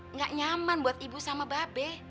itu bikin gak nyaman buat ibu sama babe